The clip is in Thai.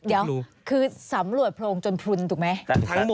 เดี๋ยวคือสำรวจโพรงจนพลุนถูกไหม